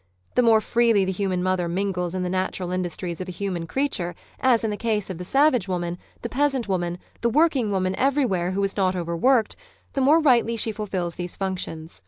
The more freely the human mother mingles in the natural industries of a human creature, as in the case of the savage woman, ^o* Married Love the peasant woman, the working woman everywhere who is not overworked, the more rightly she fulfils these functions.